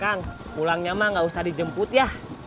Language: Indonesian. kang pulangnya emang enggak usah dijemput ya